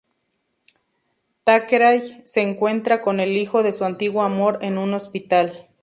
Thackeray se encuentra con el hijo de su antiguo amor en un hospital.